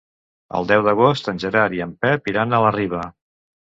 El deu d'agost en Gerard i en Pep iran a la Riba.